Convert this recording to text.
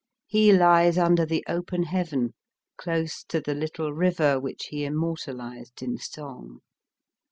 He lies under the open Heaven, close to the little river which he immortalised in song.